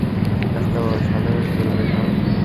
আচ্ছা, সাধারণ প্রবেশ, হাহ?